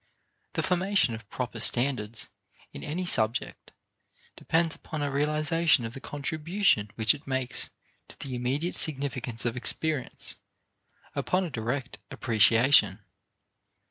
The formation of proper standards in any subject depends upon a realization of the contribution which it makes to the immediate significance of experience, upon a direct appreciation.